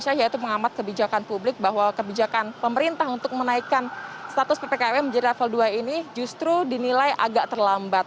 yaitu pengamat kebijakan publik bahwa kebijakan pemerintah untuk menaikkan status ppkm menjadi level dua ini justru dinilai agak terlambat